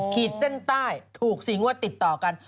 ขีดเส้นใต้ถูก๔งวดติดต่อกัน